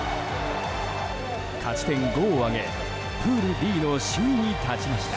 勝ち点５を挙げプールＤの首位に立ちました。